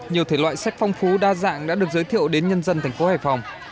nhiều thể loại sách phong phú đa dạng đã được giới thiệu đến nhân dân thành phố hải phòng